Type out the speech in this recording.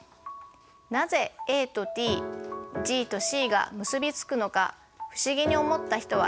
なぜＡとＴＧとＣが結び付くのか不思議に思った人はいませんか？